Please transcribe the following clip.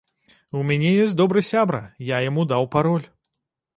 У мяне ёсць добры сябра, я яму даў пароль.